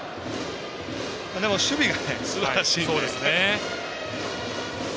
でも、守備がすばらしいんで。